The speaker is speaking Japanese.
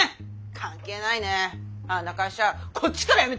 関係ないねあんな会社こっちから辞めてやる！